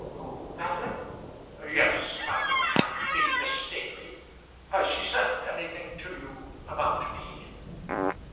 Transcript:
"Who Madeline?" "Yes, Madeline. I mean Miss Staveley. Has she said anything to you about me?"